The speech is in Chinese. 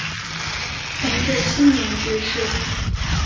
弘治七年致仕。